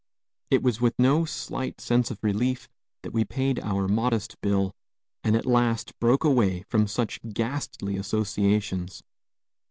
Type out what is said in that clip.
It was with no slight sense of relief that we paid our modest bill and at last broke away from such ghastly associations.